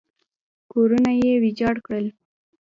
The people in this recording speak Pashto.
کورونه یې ویجاړ کړل.